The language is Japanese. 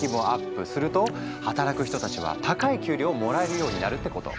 すると働く人たちは高い給料をもらえるようになるってこと。